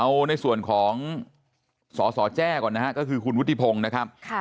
เอาในส่วนของสสแจ้ก่อนนะฮะก็คือคุณวุฒิพงศ์นะครับ